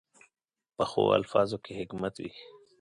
پخو الفاظو کې حکمت وي